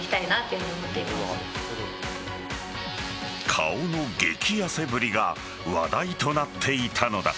顔の激痩せぶりが話題となっていたのだ。